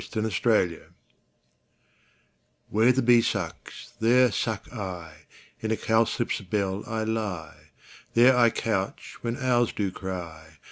Fairy Land iv WHERE the bee sucks, there suck I: In a cowslip's bell I lie; There I couch when owls do cry.